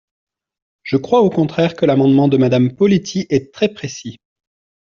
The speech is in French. Je crois au contraire que l’amendement de Madame Poletti est très précis.